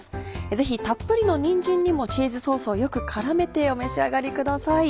ぜひたっぷりのにんじんにもチーズソースをよく絡めてお召し上がりください。